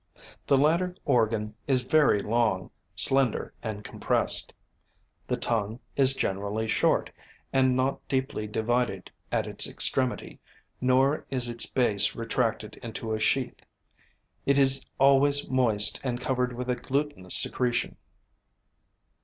The latter organ is very long, slender and compressed. The tongue is generally short and not deeply divided at its extremity, nor is its base retracted into a sheath; it is always moist and covered with a glutinous secretion.